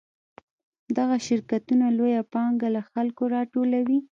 دغه شرکتونه لویه پانګه له خلکو راټولوي